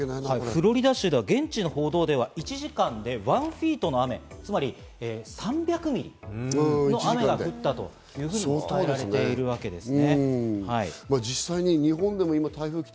フロリダ州では現地の報道では１時間で１フィートの雨、つまり３００ミリの雨が降ったというふうに伝えられているわけです。